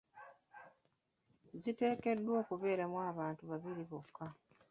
Ziteekeddwa okubeeramu abantu babiri bokka.